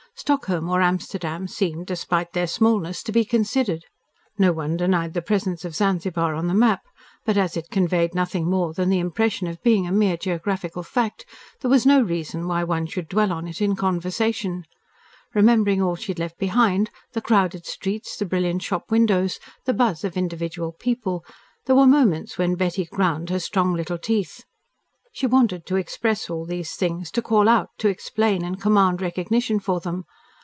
Stockholm or Amsterdam seemed, despite their smallness, to be considered. No one denied the presence of Zanzibar on the map, but as it conveyed nothing more than the impression of being a mere geographical fact, there was no reason why one should dwell on it in conversation. Remembering all she had left behind, the crowded streets, the brilliant shop windows, the buzz of individual people, there were moments when Betty ground her strong little teeth. She wanted to express all these things, to call out, to explain, and command recognition for them.